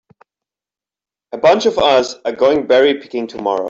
A bunch of us are going berry picking tomorrow.